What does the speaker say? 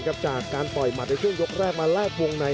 จากการต่อยหมัดในช่วงยกแรกมาแลกวงใน